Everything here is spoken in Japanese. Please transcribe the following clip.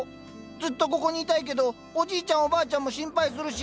ずっとここにいたいけどおじいちゃんおばあちゃんも心配するし帰るよ。